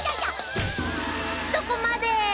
そこまで！